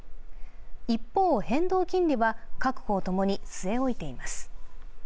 一方、変動金利は各行ともに据え置いています。